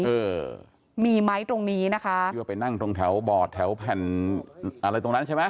เออมีไหมตรงนี้นะคะที่ว่าไปนั่งตรงแถวบอดแถวแผ่นอะไรตรงนั้นใช่ไหม